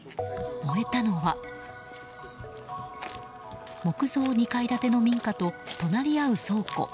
燃えたのは木造２階建ての民家と隣り合う倉庫。